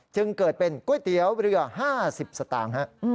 จึงเกิดเป็นก๋วยเตี๋ยวเรือ๕๐สตางค์